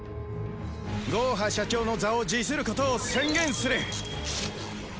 ゴーハ社長の座を辞することを宣言する。